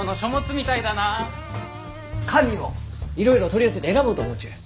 紙もいろいろ取り寄せて選ぼうと思うちゅう。